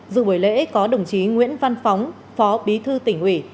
dù buổi lễ có đồng chí nguyễn văn phóng phó bí thư tỉnh ủy